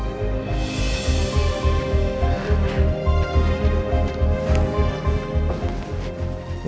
apa yang terjadi